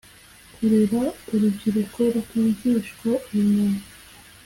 Kurera urubyiruko rwigishwa ubumenyi